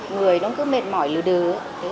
người nó cứ mệt mỏi lừa đứa